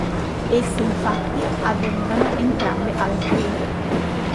Esse infatti avvenivano entrambe a ottobre.